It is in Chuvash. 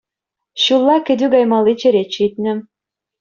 Ҫулла кӗтӳ каймалли черет ҫитнӗ.